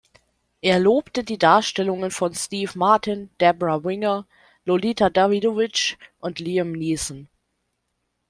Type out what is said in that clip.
Er lobte die Darstellungen von Steve Martin, Debra Winger, Lolita Davidovich und Liam Neeson.